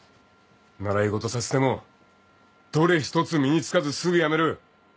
習い事させてもどれ一つ身に付かずすぐ辞める。